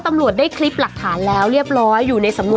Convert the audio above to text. ตำรวจได้คลิปหลักฐานแล้วเรียบร้อย